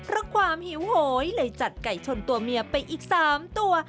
แล้วความหิวหอยเลยจัดไก่ชนตัวเมียไปอีกสามตัว